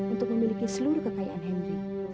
untuk memiliki seluruh kekayaan henry